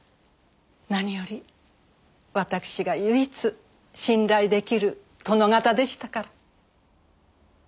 何よりわたくしが唯一信頼出来る殿方でしたから。